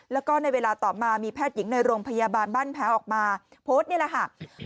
แล้วก็ในเวลาต่อมามีแพทย์หญิงในโรงพยาบาลบ้านแพ้วออกมาโพสต์นี่แหละค่ะ